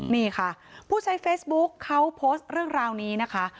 นี่ค่ะผู้ใช้เฟซบุ๊คเขาโพสต์เรื่องราวนี้นะคะ